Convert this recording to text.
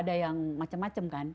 biasanya suka ada yang macam macam kan